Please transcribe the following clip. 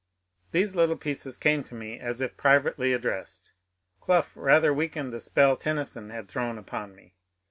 These little pieces came to me as if privately addressed. Clough rather weakened the ^ell Tennyson had thrown upon me.